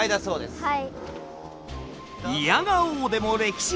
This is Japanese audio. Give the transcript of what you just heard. はい。